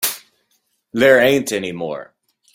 There ain't any more.